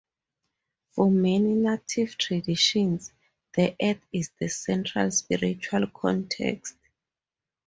For many Native traditions, the earth "is" the central spiritual context.